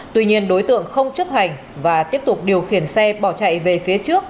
tuy nhiên đối tượng không chấp hành và tiếp tục điều khiển xe bỏ chạy về phía trước